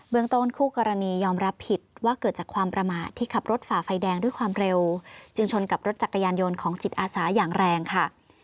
ต้นคู่กรณียอมรับผิดว่าเกิดจากความประมาทที่ขับรถฝ่าไฟแดงด้วยความเร็วจึงชนกับรถจักรยานยนต์ของจิตอาสาอย่างแรงค่ะ